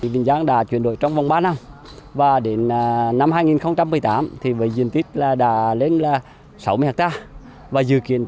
vĩnh giang đã chuyển đổi trong vòng mạng địa